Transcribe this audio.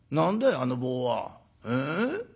あの棒は。ええ？